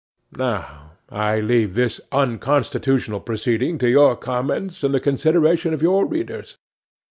'Now I leave this unconstitutional proceeding to your comments and the consideration of your readers.